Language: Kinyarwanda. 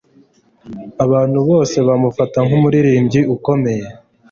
Abantu bose bamufata nkumuririmbyi ukomeye